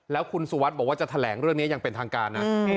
แล้วคุณสุวัสดิ์บอกว่าจะแถลงเรื่องนี้อย่างเป็นทางการนะ